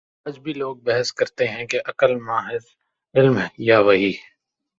آج بھی لوگ بحث کرتے ہیں کہ عقل ماخذ علم یا وحی؟